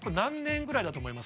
ぐらいだと思います？